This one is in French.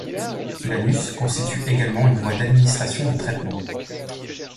L'anus constitue également une voie d'administration de traitement.